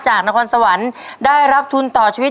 จากนครสวรรค์ได้รับทุนต่อเจ้า